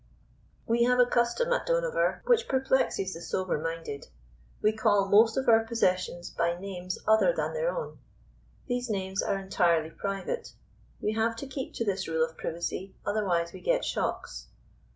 We have a custom at Dohnavur which perplexes the sober minded. We call most of our possessions by names other than their own. These names are entirely private. We have to keep to this rule of privacy, otherwise we get shocks.